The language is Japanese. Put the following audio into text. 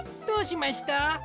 どうしました？